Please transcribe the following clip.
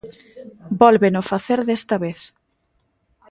Vólveno facer desta vez.